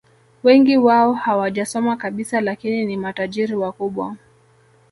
Wengi wao hawajasoma kabisa lakini ni matajiri wakubwa